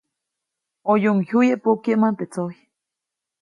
ʼOyuʼuŋ jyuyje pokyäʼmä teʼ tsojy.